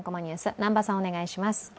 南波さん、お願いします。